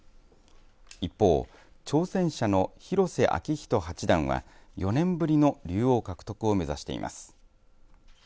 一方、挑戦者の広瀬章人八段は４年ぶりに竜王獲得を目指しています。